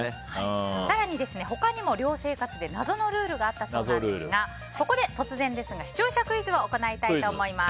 更に他にも寮生活で謎のルールがあったそうなんですがここで突然ですが視聴者投票を行いたいと思います。